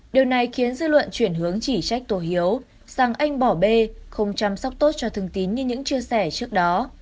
điều này khiến dư luận chuyển hướng chỉ trách tổ hiếu rằng anh bỏ bê không chăm sóc tốt cho thường tín như những chia sẻ trước đó